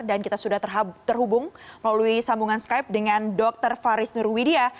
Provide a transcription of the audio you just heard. dan kita sudah terhubung melalui sambungan skype dengan dr faris nurwidia